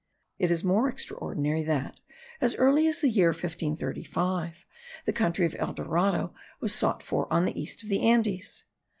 It is more extraordinary that, as early as the year 1535, the country of El Dorado was sought for on the east of the Andes.